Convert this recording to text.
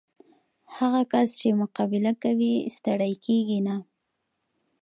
هغه کس چې مقابله کوي، ستړی کېږي نه.